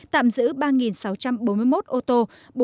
tạm giữ ba sáu trăm bốn mươi một ô tô